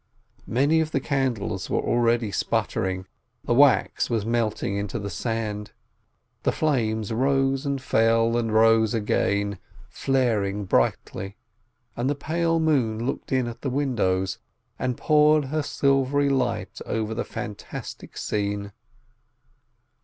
Many of the candles were already sputtering, the wax was melting into the sand, the flames rose and fell, and rose again, flaring brightly. And the pale moon looked in at the windows, and poured her silvery light over the fantastic scene.